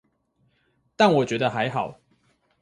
但我覺得還好